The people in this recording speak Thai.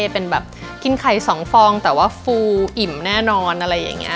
เป็นแบบกินไข่๒ฟองแต่ว่าฟูอิ่มแน่นอนอะไรอย่างนี้